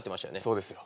そうですよ。